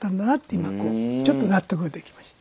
今こうちょっと納得ができました。